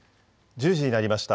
１０時になりました。